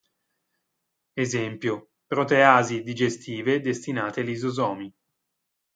Esempio: "Proteasi digestive destinate ai lisosomi.